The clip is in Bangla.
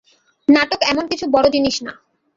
নাটক এমন-কিছু বড় জিনিস না।